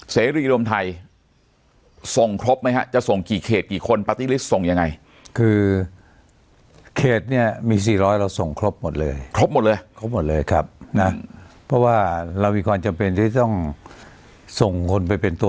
เสรียรีย์รวมไทยส่งครบมั้ยครับจะส่งกี่เขตกี่คนปาร์ติลิสต์ส่งยังไง